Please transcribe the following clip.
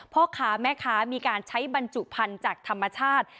พ่อค้าแม่ค้ามีการใช้บรรจุพันธุ์จากธรรมชาติ